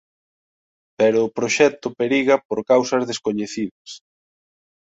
Pero o proxecto periga por causas descoñecidas.